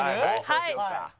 はい。